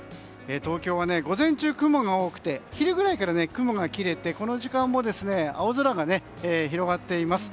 東京は午前中、雲が多くて昼ぐらいから雲が切れてこの時間も青空が広がっています。